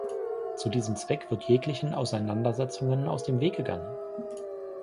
Zu diesem Zweck wird jeglichen Auseinandersetzungen aus dem Weg gegangen.